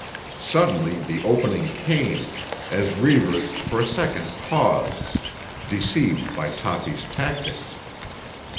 Suddenly the opening came, as Reivers for a second paused, deceived by Toppy's tactics.